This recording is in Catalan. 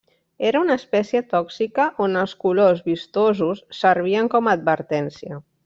Era una espècie tòxica on els colors vistosos servien com a advertència.